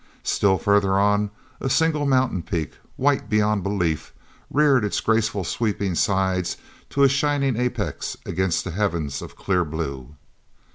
Still farther on, a single mountain peak, white beyond belief, reared its graceful sweeping sides to a shining apex against the heavens of clear blue.